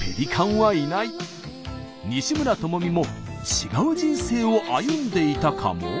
西村知美も違う人生を歩んでいたかも？